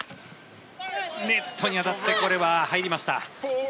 ネットに当たってこれは入りました。